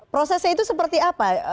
prosesnya itu seperti apa